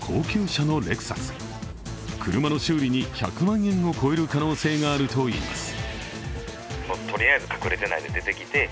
車の修理に１００万円を超える可能性があるといいます。